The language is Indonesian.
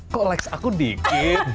kok likes aku dikit